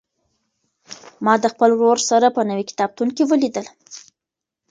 ما د خپل ورور سره په نوي کتابتون کې ولیدل.